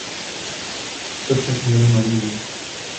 Tyto však měly malý vliv.